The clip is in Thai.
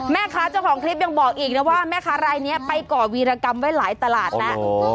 เจ้าของคลิปยังบอกอีกนะว่าแม่ค้ารายนี้ไปก่อวีรกรรมไว้หลายตลาดแล้ว